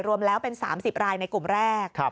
รวมแล้วเป็น๓๐รายในกลุ่มแรก